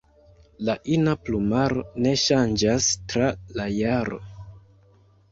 La ina plumaro ne ŝanĝas tra la jaro.